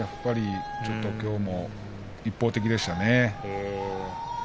ちょっときょうも一方的でしたね。